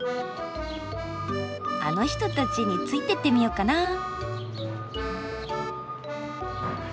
あの人たちについてってみよっかな。